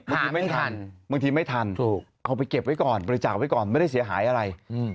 บางทีไม่ทันบางทีไม่ทันถูกเอาไปเก็บไว้ก่อนบริจาคไว้ก่อนไม่ได้เสียหายอะไร